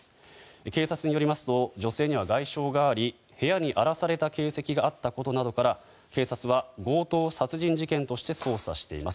警察によりますと女性には外傷があり部屋に荒らされた形跡があったことなどから警察は強盗殺人事件として捜査しています。